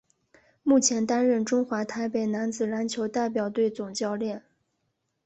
目前担任中华台北男子篮球代表队总教练。